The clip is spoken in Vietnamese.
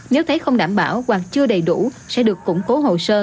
nếu thấy không đảm bảo hoặc chưa đầy đủ sẽ được củng cố hồ sơ